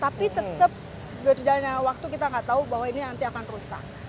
tapi tetap berjalannya waktu kita nggak tahu bahwa ini nanti akan rusak